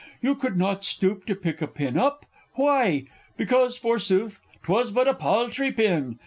You could not stoop to pick a pin up. Why? Because, forsooth, 'twas but a paltry pin!